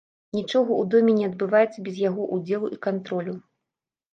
Нічога ў доме не адбываецца без яго ўдзелу і кантролю.